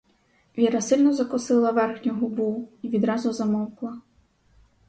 Віра сильно закусила верхню, губу й відразу замовкла.